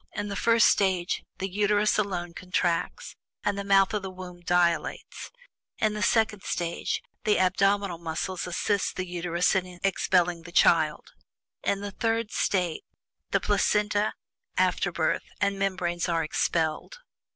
In the first stage, the Uterus alone contracts, and the mouth of the womb dilates; in the second stage, the abdominal muscles assist the Uterus in expelling the child; in the third stage, the Placenta (afterbirth) and membranes are expelled.